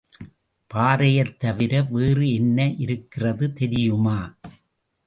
பாறையைத் தவிர வேறு என்ன இருக்கிறது தெரியுமா?